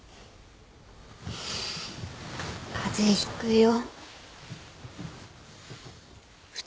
風邪ひくよ。